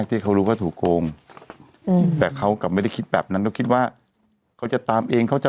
คือคือคือคือคือคือคือคือคือคือคือคือคือคือ